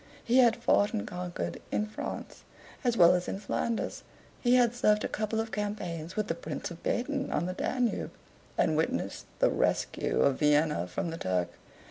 He had fought and conquered in France, as well as in Flanders; he had served a couple of campaigns with the Prince of Baden on the Danube, and witnessed the rescue of Vienna from the Turk.